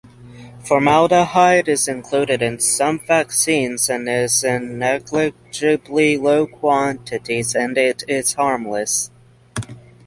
Formaldehyde included in some vaccines is in negligibly low quantities and it is harmless.